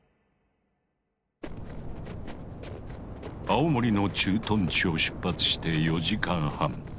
青森の駐屯地を出発して４時間半。